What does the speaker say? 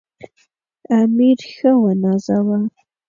امیر ښه ونازاوه.